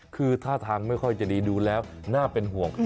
คือท่าทางไม่ค่อยจะดีดูแล้วน่าเป็นห่วง